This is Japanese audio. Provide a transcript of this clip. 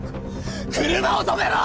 車を止めろ！